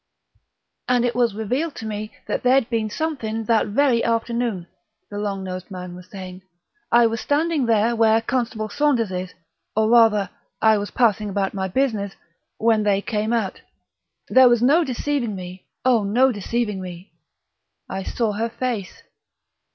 "... and it was revealed to me that there'd been something that very afternoon," the long nosed man was saying. "I was standing there, where Constable Saunders is or rather, I was passing about my business, when they came out. There was no deceiving me, oh, no deceiving me! I saw her face...."